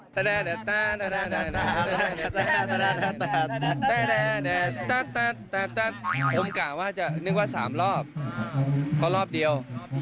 ผมกล่าวว่าจะนึกว่า๓รอบเขารอบเดียว